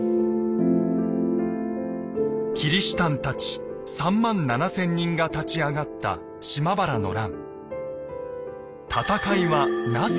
キリシタンたち３万７，０００人が立ち上がった島原の乱。